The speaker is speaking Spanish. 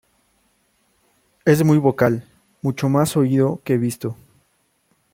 Es muy vocal, mucho más oído que visto.